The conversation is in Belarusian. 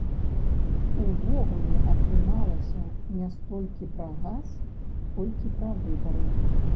Увогуле атрымалася не столькі пра газ, колькі пра выбары.